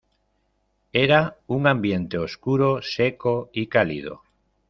Era un ambiente oscuro, seco y cálido.